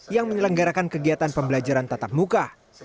yang menyelenggarakan kegiatan pembelajaran tatap muka